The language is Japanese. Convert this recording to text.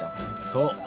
そう。